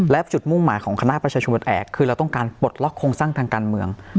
และจุดมุ่งหมายของคณะประชาชนวันแอกคือเราต้องการปลดล็อกโครงสร้างทางการเมือง